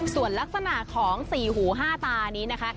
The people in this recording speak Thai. ส่วนลักษณะของสี่หูห้าตานี้นะคะ